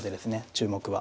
注目は。